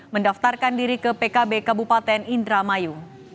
mendaftarkan diri ke pkb kabupaten indramayu